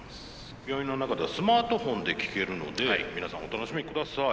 病院の中ではスマートフォンで聴けるので皆さんお楽しみください。